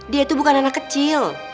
dia itu bukan anak kecil